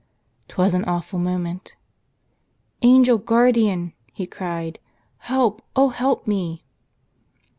'Twas an awful moment. "Angel Guardian," he cried, "help, oh help me